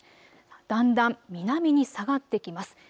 だんだん南に下がってきます。